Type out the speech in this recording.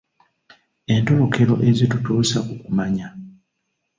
Entolokero ezitutuusa ku kumanya